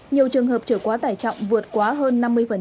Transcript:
nhiều trường hợp trở quá tải trọng vượt quá hơn năm mươi